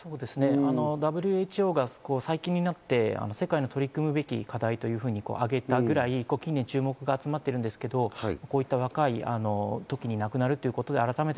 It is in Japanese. ＷＨＯが最近になって世界の取り組むべき課題というふうにあげたくらい近年、注目が集まってるんですけど、若い時に亡くなるっていうことで、改めて